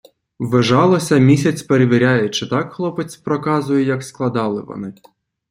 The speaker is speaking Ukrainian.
Ввижалося - місяць перевіряє, чи так хлопець проказує, як складали вони.